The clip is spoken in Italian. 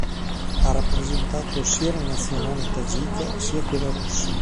Ha rappresentato sia la Nazionale tagika, sia quella russa.